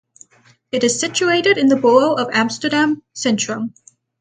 It is situated in the borough of Amsterdam-Centrum.